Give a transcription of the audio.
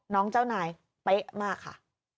เจ้านายเป๊ะมากค่ะ